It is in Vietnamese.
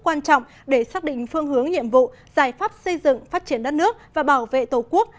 quan trọng để xác định phương hướng nhiệm vụ giải pháp xây dựng phát triển đất nước và bảo vệ tổ quốc